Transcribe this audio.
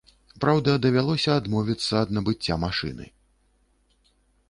Праўда, давялося адмовіцца ад набыцця машыны.